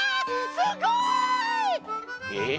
すごい！えっ？